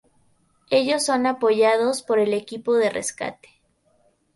Ellos son apoyados por el Equipo de Rescate.